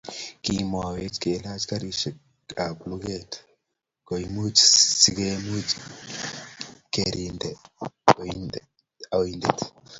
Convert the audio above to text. Kimowech kelach karikab luget komugul sikemuch kegirinde oindet